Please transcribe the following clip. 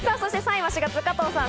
３位は４月、加藤さん。